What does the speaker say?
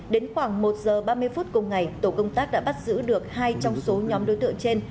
đến khoảng một giờ ba mươi phút cùng ngày tổ công tác đã bắt giữ được hai trong số nhóm đối tượng trên